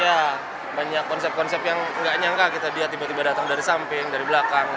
ya banyak konsep konsep yang nggak nyangka kita dia tiba tiba datang dari samping dari belakang